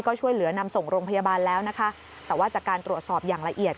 ก็ช่วยเหลือนำส่งโรงพยาบาลแล้วนะคะแต่ว่าจากการตรวจสอบอย่างละเอียด